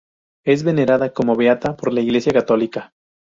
Es venerada como beata por la Iglesia Católica.